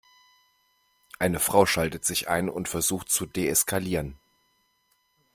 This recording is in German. Eine Frau schaltet sich ein und versucht zu deeskalieren.